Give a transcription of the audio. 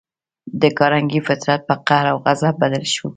د کارنګي فطرت پر قهر او غضب بدل شو